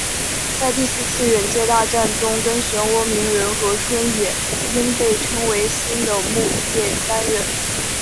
在第四次忍界大战中跟漩涡鸣人和春野樱被称为新的木叶三忍。